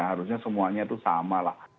harusnya semuanya itu sama lah